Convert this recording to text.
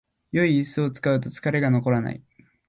良いイスを使うと疲れが残らない